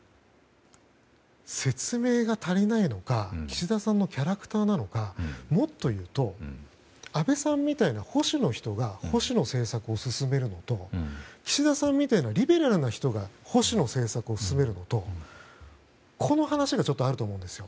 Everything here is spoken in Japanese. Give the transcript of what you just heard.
説明が足りないのか岸田さんのキャラクターというかもっと言うと、安倍さんみたいな保守の人が保守の政策を進めるのと岸田さんみたいなリベラルな人が保守の政策を進めるのとこの話がちょっとあると思います。